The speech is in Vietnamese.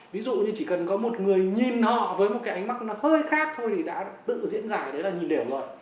ví dụ như chỉ cần có một người nhìn họ với một cái ánh mắt nó hơi khác thôi thì đã tự diễn giải đấy là nhìn điểm rồi